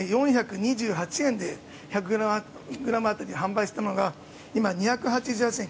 ４月は４２８円で１００ｇ当たり販売していたのが今、２８８円。